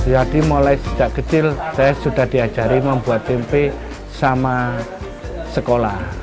jadi mulai sejak kecil saya sudah diajari membuat tempe sama sekolah